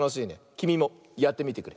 きみもやってみてくれ。